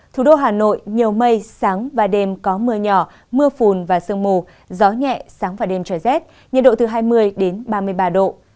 thủ đô hà nội nhiều mây sáng và đêm có mưa nhỏ mưa phùn và sương mù gió nhẹ sáng và đêm trời rét nhiệt độ từ hai mươi ba mươi ba độ